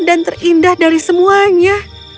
dan terindah dari semuanya